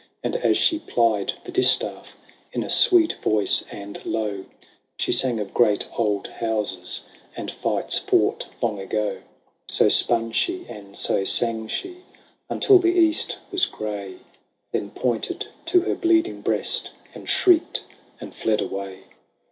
And as she plied the distaff, In a sweet voice and low, She sang of great old houses. And fights fought long ago. BATTLE OF THE LAKE REGILLUS. 107 So spun she, and so sang she, Until the east was grey, Then pointed to her bleeding breast And shrieked, and fled away.